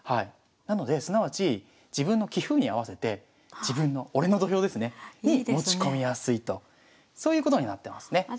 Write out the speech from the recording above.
なのですなわち自分の棋風に合わせて自分の「俺の土俵」ですねに持ち込みやすいとそういうことになってますね。